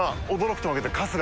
春日？